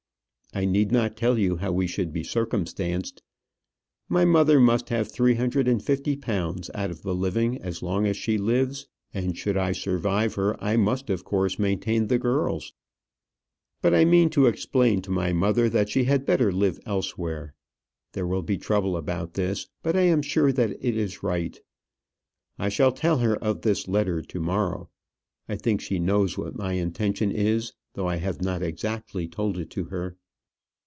I need not tell you how we should be circumstanced. My mother must have three hundred and fifty pounds out of the living as long as she lives; and should I survive her, I must, of course, maintain the girls. But I mean to explain to my mother that she had better live elsewhere. There will be trouble about this; but I am sure that it is right. I shall tell her of this letter to morrow. I think she knows what my intention is, though I have not exactly told it to her.